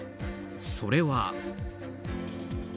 それは。